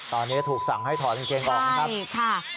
ตอนนี้ถูกสั่งให้ถอดกางเกงออกนะครับ